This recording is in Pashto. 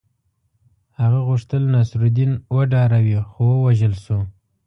هغه غوښتل نصرالدین وډاروي خو ووژل شو.